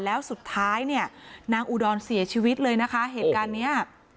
แล้วสุดท้ายเนี่ยนางอุดรเสียชีวิตเลยนะคะเหตุการณ์เนี้ย